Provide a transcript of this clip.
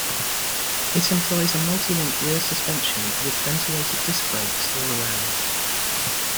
It employs a multilink rear suspension with ventilated disc brakes all around.